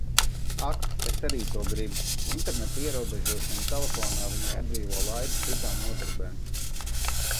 Ak, es arī to gribu! interneta ierobežošana telefonā viņai atbrīvo laiku citām nodarbēm.